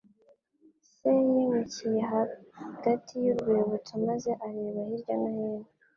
Se yimukiye hagati y'urwibutso maze areba hirya no hino.